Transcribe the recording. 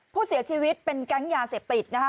ผู้เสียชีวิตเป็นแก๊งยาเสพติดนะคะ